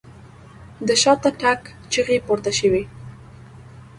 د شاته تګ چيغې پورته شوې.